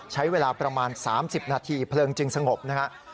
ใช้เวลาประมาณ๓๐นาทีเพลิงจึงสงบนะครับ